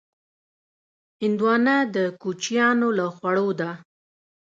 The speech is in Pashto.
هندوانه د کوچیانو له خوړو ده.